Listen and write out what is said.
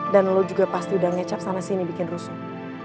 dan lo juga pasti udah ngecap sana sini bikin rusuk